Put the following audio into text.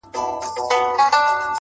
اخلاق د نوم له شهرت نه لوړ دي.!